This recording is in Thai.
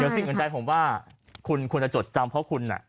เดี๋ยวสิ่งอื่นใจผมว่าคุณคุณจะจดอาจารย์เพราะคุณน่ะ